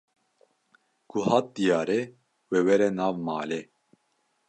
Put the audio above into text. Ku hat diyarê, wê were nav malê